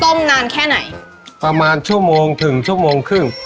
นานแค่ไหนประมาณชั่วโมงถึงชั่วโมงครึ่ง